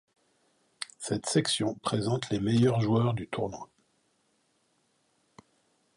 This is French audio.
Cette section présente les meilleurs joueurs du tournoi.